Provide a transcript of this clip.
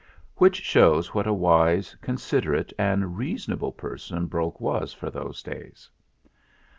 Which shows what a wise, considerate, and reasonable person Brok was for those days.